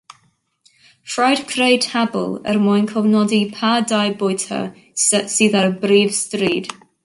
Rhaid creu tabl er mwyn cofnodi pa dai bwyta sydd ar y brif stryd